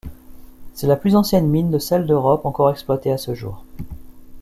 C'est la plus ancienne mine de sel d'Europe encore exploitée à ce jour.